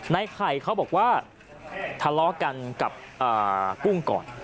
ในไข่เขาบอกว่าทะเลาะกันกับกุ้งก่อน